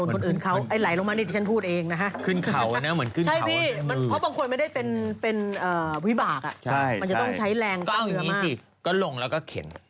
ก็เอางี้สิก็ลงแล้วก็เข็น